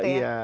ada gitu ya